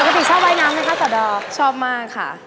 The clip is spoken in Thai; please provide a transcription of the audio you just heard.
ปกติชอบว่ายน้ำป่ะคะสัตว์ดอบชอบมากค่ะ